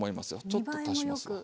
ちょっと足しますわ。